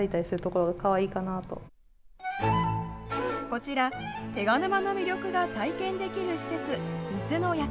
こちら、手賀沼の魅力が体験できる施設、水の館。